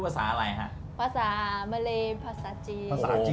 ภาษามาเรียนภาษาจีน